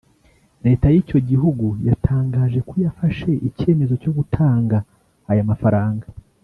Leta y’icyo gihugu yatangaje ko yafashe icyemezo cyo gutanga aya mafaranga